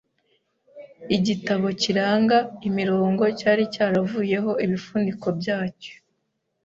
igitabo kiranga imirongo cyari cyaravuyeho ibifuniko byacyo